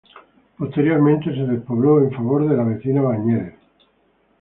Posteriormente, se despobló en favor de la vecina Bañeres.